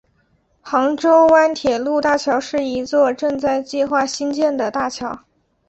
杭州湾铁路大桥是一座正在计划兴建的大桥。